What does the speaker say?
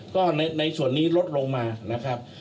ก็ในส่วนนี้ลดลงมานะครับ